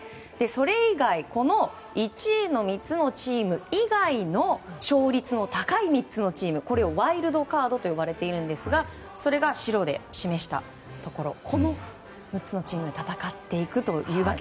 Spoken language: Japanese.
それ以外１位の３つのチーム以外の勝率の高い３つのチームワイルドカードと呼ばれてますがそれが白で示したところこの６つのチームで戦っていくと。